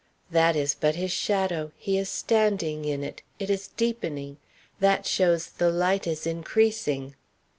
"That is but his shadow; he is standing in it; it is deepening; that shows the light is increasing."